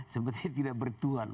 seperti tidak bertuan